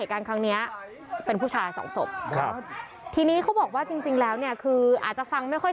อะคุณผู้ชมลองฟังก่อน